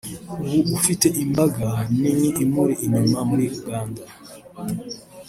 ubu ufite imbaga nini imuri inyuma muri Uganda